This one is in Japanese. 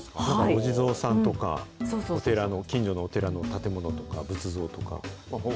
お地蔵さんとか、お寺の、近所のお寺の建物とか、仏像とか。